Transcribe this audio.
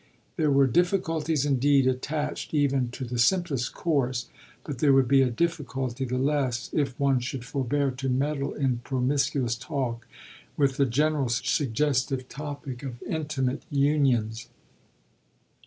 There were difficulties indeed attached even to the simplest course, but there would be a difficulty the less if one should forbear to meddle in promiscuous talk with the general, suggestive topic of intimate unions.